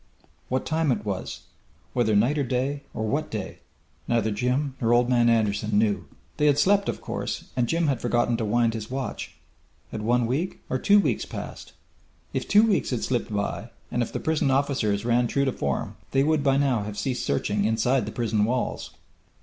What time it was whether night or day or what day, neither Jim nor Old Man Anderson knew. They had slept, of course, and Jim had forgotten to wind his watch. Had one week or two weeks passed? If two weeks had slipped by and if the prison officers ran true to form they would by now have ceased searching inside the prison walls.